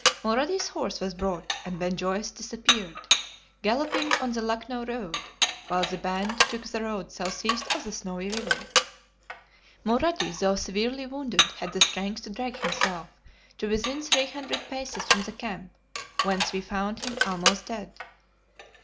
Mulrady's horse was brought, and Ben Joyce disappeared, galloping on the Lucknow Road, while the band took the road southeast of the Snowy River. Mulrady, though severely wounded, had the strength to drag himself to within three hundred paces from the camp, whence we found him almost dead.